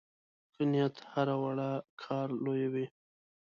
ښه نیت هره وړه کار لویوي.